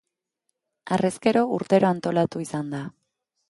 Harrezkero urtero antolatu izan da.